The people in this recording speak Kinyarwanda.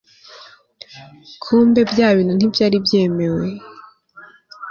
kumbe byanbintu ntibyari byemewe